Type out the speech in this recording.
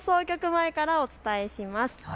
前からお伝えします。